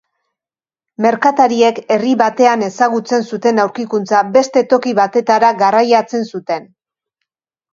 Merkatariek herri batean ezagutzen zuten aurkikuntza beste toki batetara garraiatzen zuten.